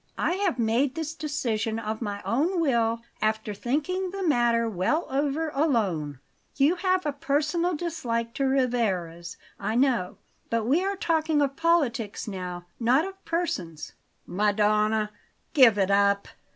I have made this decision of my own will, after thinking the matter well over alone. You have a personal dislike to Rivarez, I know; but we are talking of politics now, not of persons." "Madonna! Give it up!